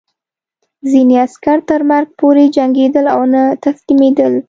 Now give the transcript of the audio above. ځینې عسکر تر مرګ پورې جنګېدل او نه تسلیمېدل